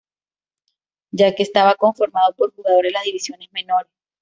Ya que, estaba conformado por jugadores de las divisiones menores.